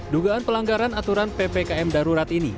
dugaan pelanggaran aturan ppkm darurat ini